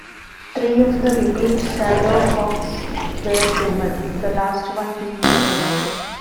Three of the revealed ShadowHawks were human, the last one being a robot.